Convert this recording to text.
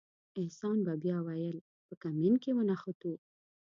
احسان به بیا ویل په کمین کې ونښتو.